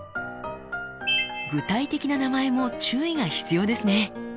具体的な名前も注意が必要ですね。